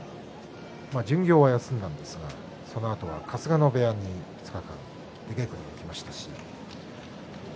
巡業は休んだんですが、そのあと春日野部屋に２日間、出稽古に行きました。